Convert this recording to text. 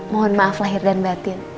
mohon maaf lahir dan batin